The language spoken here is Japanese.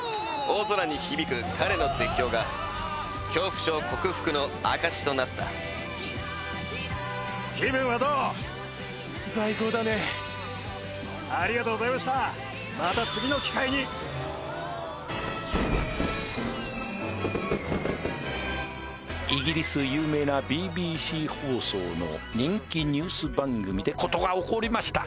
大空に響く彼の絶叫が恐怖症克服の証しとなったありがとうございましたまた次の機会にイギリス有名なＢＢＣ放送の人気ニュース番組で事が起こりました